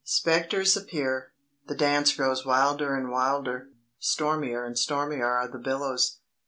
Spectres appear; the dance grows wilder and wilder; stormier and stormier are the billows.